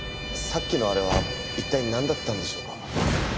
さっきのあれは一体なんだったんでしょうか？